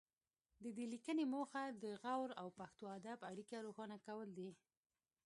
د دې لیکنې موخه د غور او پښتو ادب اړیکه روښانه کول دي